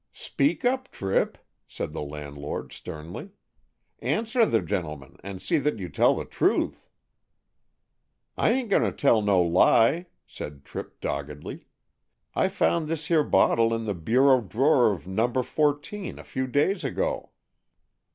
"Speak up, Tripp," said the landlord sternly. "Answer the gentleman, and see that you tell the truth." "I ain't going to tell no lie," said Tripp doggedly. "I found this here bottle in the bureau drawer of number fourteen a few days ago."